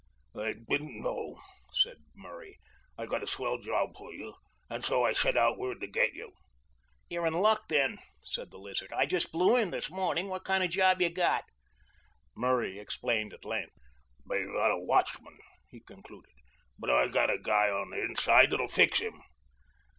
"I didn't know," said Murray. "I got a swell job for you, and so I sent out word to get you." "You're in luck then," said the Lizard. "I just blew in this morning. What kind of a job you got?" Murray explained at length. "They got a watchman," he concluded, "but I've got a guy on de inside that'll fix him."